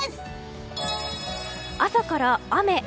朝から雨。